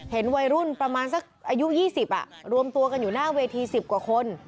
เห็นวัยรุ่นประมาณสักอายุ๒๐รวมตัวกันอยู่หน้าเวที๑๐กว่าคน